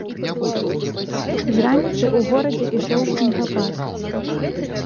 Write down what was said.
З раніцы ў горадзе ішоў снегапад.